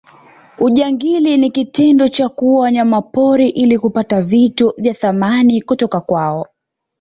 ujangili ni kitendo cha kuua wanyamapori ili kupata vitu vya thamani kutoka kwao